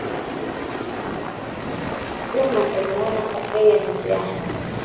Juma emuona kakeye njiani